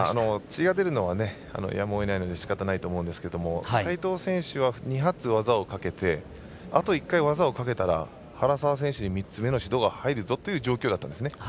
血が出るのはやむをえないのでしかたないと思うんですけど斉藤選手は２発技をかけてあと１回技をかけたら原沢選手に３つ目の指導が入るぞっていう状況だったんですね。